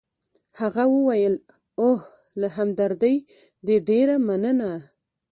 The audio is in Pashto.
هغه وویل: اوه، له همدردۍ دي ډېره مننه.